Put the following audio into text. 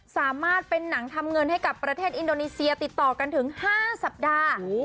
สามารถเป็นหนังทำเงินให้กับประเทศอินโดนีเซียติดต่อกันถึง๕สัปดาห์